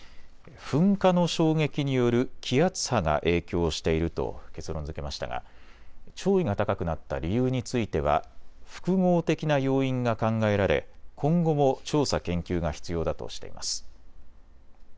噴火の衝撃による気圧波が影響していると結論づけましたが潮位が高くなった理由については複合的な要因が考えられ、今後も調査・研究が必要だとしています。